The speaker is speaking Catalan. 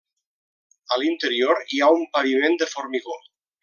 A l’interior hi ha un paviment de formigó.